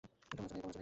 কেমন আছ, ভাইয়া?